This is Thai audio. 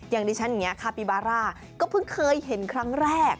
อย่างดิฉันอย่างนี้คาปิบาร่าก็เพิ่งเคยเห็นครั้งแรก